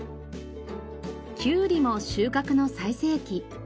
キュウリも収穫の最盛期。